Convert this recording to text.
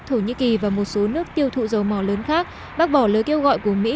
thổ nhĩ kỳ và một số nước tiêu thụ dầu mò lớn khác bác bỏ lời kêu gọi của mỹ